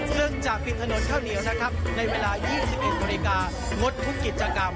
เพื่อจากปิดถนนข้าวเหนียวนะครับในเวลา๒๑นงดพุธกิจจังกรรม